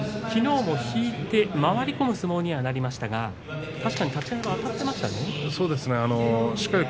きのうも引いて回り込む相撲になりましたがそうですね